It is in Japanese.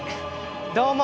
どうも。